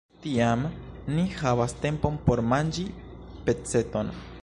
Tiam ni havas tempon por manĝi peceton.